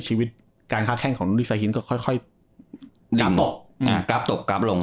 ชีวิตการคาดแข้งของนุริสาหินก็ค่อยค่อยกลับตกอ่ากลับตกกลับลง